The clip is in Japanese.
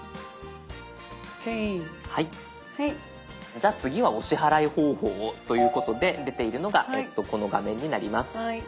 じゃあ次はお支払い方法をということで出ているのがこの画面になります。